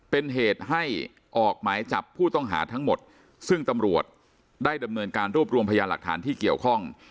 เป็นเหตุให้ออกหมายจับผู้ต้องหาทั้งหมดซึ่งตำรวจได้ดำเนินการรวบรวมพยานหลักฐานที่เกี่ยวข้อง